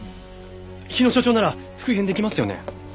日野所長なら復元できますよね？